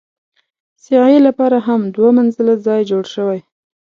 سعې لپاره هم دوه منزله ځای جوړ شوی.